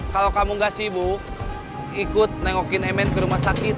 kalau kamu gak sibuk ikut nengokin mn ke rumah sakit